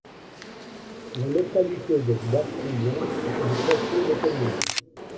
La localité de Gbatongouin est un chef-lieu de commune.